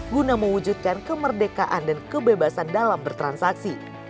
guna mewujudkan kemerdekaan dan kebebasan dalam bertransaksi